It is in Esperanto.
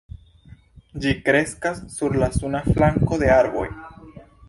Ĝi kreskas sur la suna flanko de arboj.